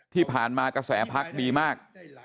ที่ผ่านมากระแสพักดีมาก